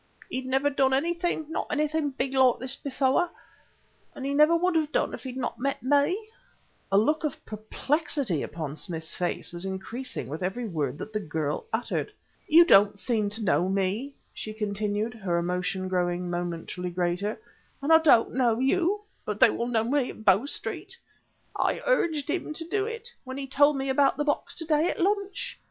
He'd never done anything not anything big like this before, and he never would have done if he had not met me...." The look of perplexity upon Smith's face was increasing with every word that the girl uttered. "You don't seem to know me," she continued, her emotion growing momentarily greater, "and I don't know you; but they will know me at Bow Street. I urged him to do it, when he told me about the box to day at lunch.